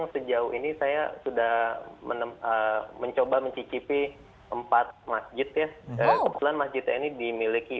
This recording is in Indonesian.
sejauh ini saya sudah mencoba mencicipi empat masjid ya kebetulan masjid ini dimiliki